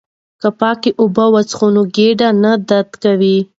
که پاکې اوبه وڅښو نو ګېډه نه درد کوي.